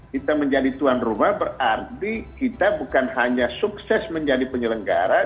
kita menjadi tuan rumah berarti kita bukan hanya sukses menjadi penyelenggara